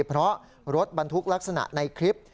เพราะรถบรรทุกลักษณะในคลิป